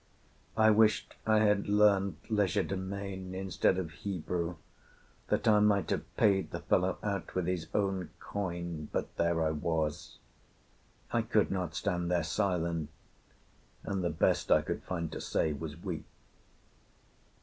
I wished I had learned legerdemain instead of Hebrew, that I might have paid the fellow out with his own coin. But there I was; I could not stand there silent, and the best I could find to say was weak.